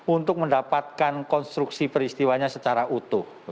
untuk mendapatkan konstruksi peristiwanya secara utuh